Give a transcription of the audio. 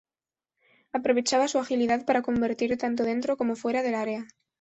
Aprovechaba su agilidad para convertir tanto dentro como fuera del área.